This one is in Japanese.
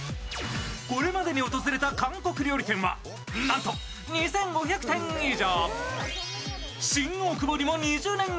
これまでに訪れた韓国料理店は、なんと２５００店以上。